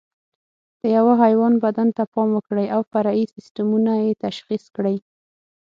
د یوه حیوان بدن ته پام وکړئ او فرعي سیسټمونه یې تشخیص کړئ.